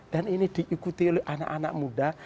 dan ini diikuti oleh anak anak muda